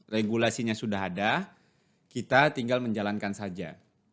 regulasinya sudah ada kita tinggal menjalankan saja